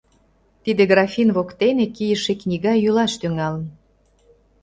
Тиде графин воктене кийыше книга йӱлаш тӱҥалын.